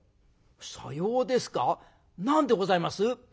「さようですか何でございます？」。